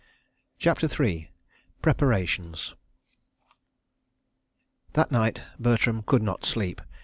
CHAPTER III Preparations That night Bertram could not sleep.